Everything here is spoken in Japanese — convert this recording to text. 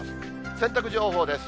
洗濯情報です。